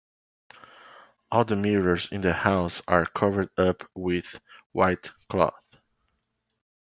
All the mirrors in the house are covered up with white cloth.